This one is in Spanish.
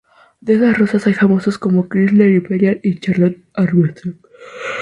De estas rosas hay famosas como 'Chrysler Imperial' y 'Charlotte Armstrong'.